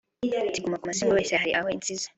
Ati “ Guma Guma sinkubeshye hari aho insize